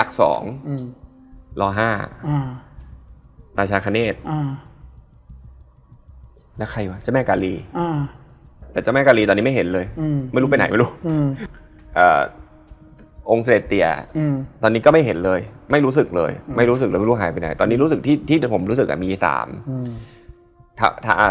ก็จะชอบจัดทริปไปไหว้พระ